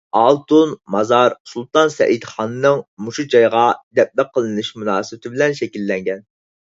ئالتۇن مازار سۇلتان سەئىدخاننىڭ مۇشۇ جايغا دەپنە قىلىنىش مۇناسىۋىتى بىلەن شەكىللەنگەن.